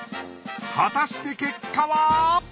果たして結果は！？